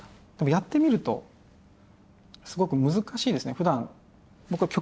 やってみるとすごく難しいですね。